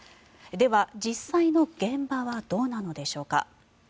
では、実際の現場はどうなのでしょうか。